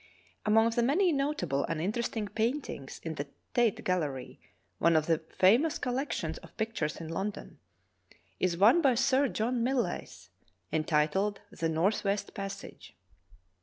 Among the many notable and interesting paintings in the Tate Gallery, one of the famous collections of pictures in London, is one by Sir John Millais, entitled "The Northwest Passage."